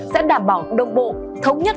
sẽ đảm bảo đồng bộ thống nhất